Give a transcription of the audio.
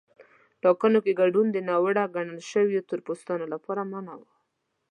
ټاکنو کې ګډون د ناوړه ګڼل شویو تور پوستانو لپاره منع و.